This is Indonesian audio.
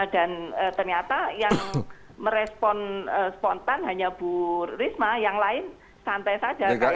dan ternyata yang merespon spontan hanya bu risma yang lain santai saja